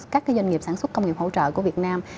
các doanh nghiệp sản xuất công nghiệp hỗ trợ của việt nam